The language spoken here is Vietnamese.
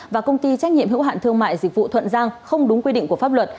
và công ty trách nhiệm hữu hạn thương mại dịch vụ thuận giang không đúng quy định của pháp luật